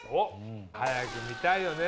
早く見たいよね。